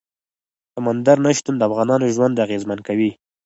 سمندر نه شتون د افغانانو ژوند اغېزمن کوي.